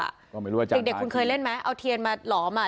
ก็ไม่รู้อาจารย์เด็กเด็กคุณเคยเล่นไหมเอาเทียนมาหลอมอ่ะ